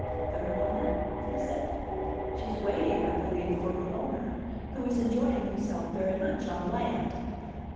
"The Hermana?" I said. "She's waiting, I believe, for her owner, who is enjoying himself very much on land."